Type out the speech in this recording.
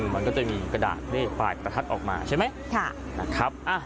มันก็จะมีกระดาษเลขปลายประทัดออกมาใช่ไหมนะครับ